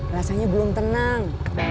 rasanya belum tenang